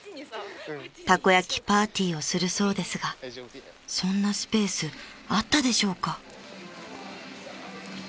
［たこ焼きパーティーをするそうですがそんなスペースあったでしょうか］